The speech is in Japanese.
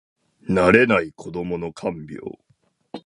慣れない子どもの看病